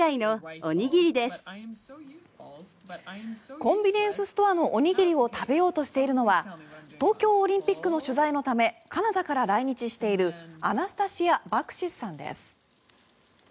コンビニエンスストアのおにぎりを食べようとしているのは東京オリンピックの取材のためカナダから来日しているアナスタシア・バクシスさんです。